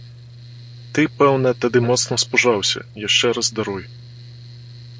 Ты, пэўна, тады моцна спужалася, яшчэ раз даруй!